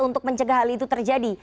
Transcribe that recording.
untuk mencegah hal itu terjadi